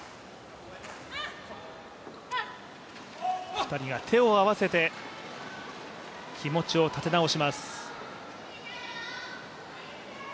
２人が手を合わせて気持ちを立て直します。